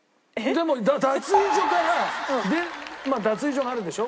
でも脱衣所から脱衣所があるんでしょ？